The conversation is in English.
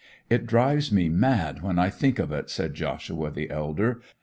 'It drives me mad when I think of it,' said Joshua, the elder.